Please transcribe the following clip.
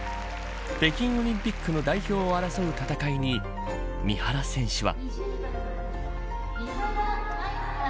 北京オリンピックの代表を争う戦いに三原選手は。